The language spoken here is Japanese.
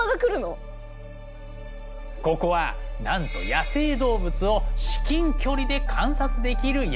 ここはなんと野生動物を至近距離で観察できる宿。